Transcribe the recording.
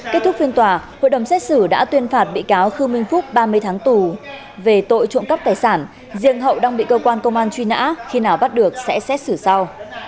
kết thúc phiên tòa hội đồng xét xử đã tuyên phạt bị cáo khư minh phúc ba mươi tháng tù về tội trộm cắp tài sản riêng hậu đang bị cơ quan công an truy nã khi nào bắt được sẽ xét xử sau